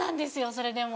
それでも。